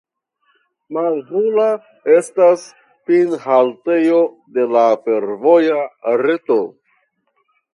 Mahuva estas finhaltejo de la fervoja reto.